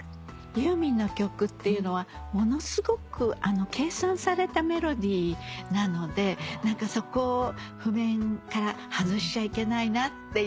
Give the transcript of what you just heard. ユーミンの曲っていうのはものすごく計算されたメロディーなのでそこを譜面から外しちゃいけないなっていうのが。